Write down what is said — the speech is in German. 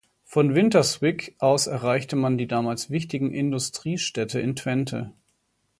Von Winterswijk aus erreichte man die damals wichtigen Industriestädte in Twente.